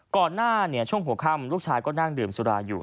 ก่อนหน้าช่วงหัวค่ำลูกชายก็นั่งดื่มสุราอยู่